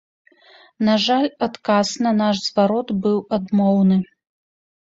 На жаль адказ на наш зварот быў адмоўны.